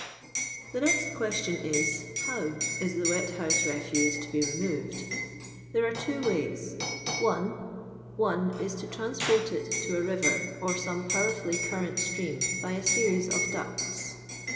Ihe next question, is — Jlotv is the wet house refuse to be removed ? There .ire two ways :— 1. One is, to transport it to a river, or some (NiwerfuUy curn*nt stream by a series of ducti.